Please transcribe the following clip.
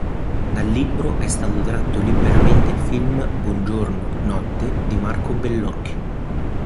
Dal libro è stato tratto liberamente il film "Buongiorno, notte" di Marco Bellocchio.